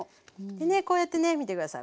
でねこうやってね見てください。